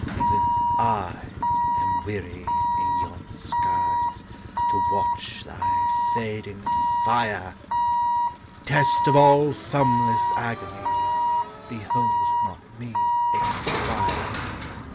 Even I am weary in yon skies To watch thy fading fire; Test of all sumless agonies, Behold not me expire.